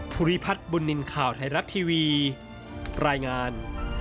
ภูริพัฒน์บุญนินทร์ข่าวไทยรัฐทีวีรายงาน